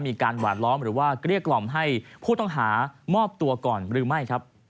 มีการหวานล้อมหรือว่าเกลี้ยกล่อมให้ผู้ต้องหามอบตัวก่อนหรือไม่ครับ